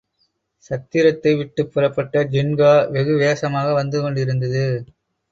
சத்திரத்தை விட்டுப் புறப்பட்ட ஜின்கா வெகு வேசமாக வந்துகொண்டிருந்தது.